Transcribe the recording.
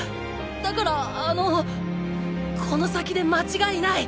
だからあのこの先で間違いない！